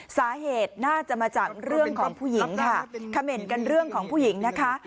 สาเหตุน่าจะมาจากเรื่องของผู้หญิงค่ะเขม่นกันเรื่องของผู้หญิงนะคะ